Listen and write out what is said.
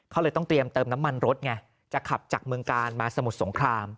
เขาเลยต้องเตรียมเติมน้ำมันรถไงจะขับจากเมืองกาลมาสมุทรสงคราม